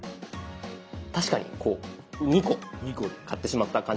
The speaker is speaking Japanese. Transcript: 確かにこう２個買ってしまった感じに。